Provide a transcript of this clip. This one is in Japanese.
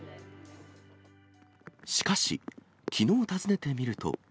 しかし、きのう訪ねてみると。